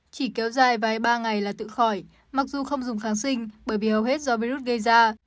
chỉ kéo dài vài ba ngày là tự khỏi mặc dù không dùng kháng sinh bởi vì hầu hết do virus gây ra